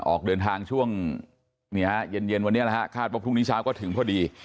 ออกเดินทางช่วงเย็นวันนี้นะฮะคาดว่าพรุ่งนี้เช้าก็ถึงพอดี